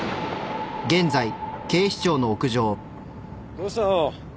・どうしたの？